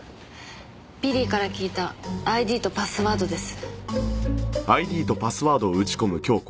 ビリーから聞いたＩＤとパスワードです。